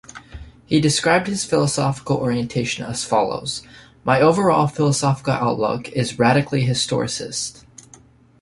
He describes his philosophical orientation as follows: My overall philosophical outlook is radically historicist.